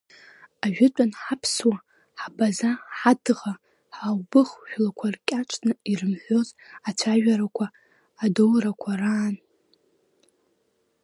Ажәытәан ҳаԥсуа, ҳабаза, ҳадӷа, ҳаубыхә жәлақәа ркьаҿны ирымҳәоз ацәажәарақәа, адоурақәа раан…